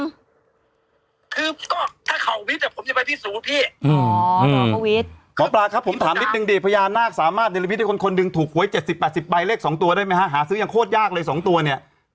คือก็ถ้าเขาวิทย์ผมจะไปพิสูจน์พี่วิทย์หมอปลาครับผมถามนิดนึงดีพญานาคสามารถเดลมิตให้คนคนหนึ่งถูกหวย๗๐๘๐ใบเลข๒ตัวได้ไหมฮะหาซื้อยังโคตรยากเลย๒ตัวเนี่ย